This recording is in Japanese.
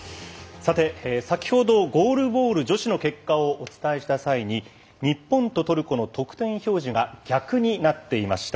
さて先ほどゴールボール女子の結果をお伝えした際に日本とトルコの得点表示が逆になっていました。